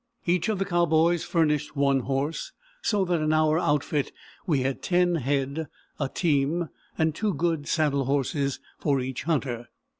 Each of the cowboys furnished one horse; so that in our outfit we had ten head, a team, and two good saddle horses for each hunter.